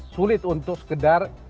sulit untuk sekedar